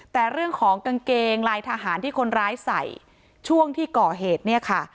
แต่เรื่องของกางเกงลายทหารที่คนร้ายใส่ช่วงที่ก่อเหตุเนี่ยค่ะ